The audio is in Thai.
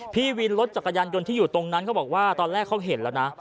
พี่วินรถจักรยานยนต์ที่อยู่ตรงนั้นเขาบอกว่าตอนแรกเขาเห็นแล้วนะ